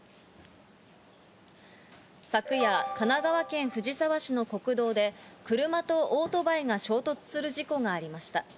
昨夜、神奈川県藤沢市の国道で、車とオートバイが衝突する事故がありました。